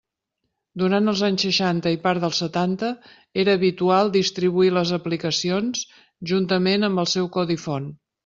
Durant els anys seixanta i part dels setanta era habitual distribuir les aplicacions juntament amb el seu codi font.